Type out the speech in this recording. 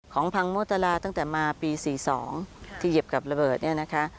พังโมตราตั้งแต่มาปี๔๒ที่เหยียบกับระเบิดเนี่ยนะคะ